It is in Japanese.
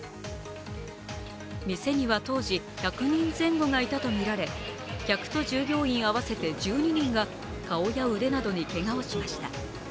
店には当時、１００人前後がいたとみられ客と従業員合わせて１２人が顔や腕などにけがをしました。